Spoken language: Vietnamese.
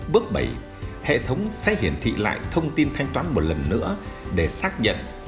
bước bảy hệ thống sẽ hiển thị lại thông tin thanh toán một lần nữa để xác nhận